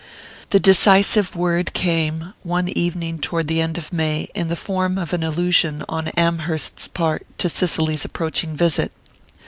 The decisive word came, one evening toward the end of May, in the form of an allusion on Amherst's part to Cicely's approaching visit.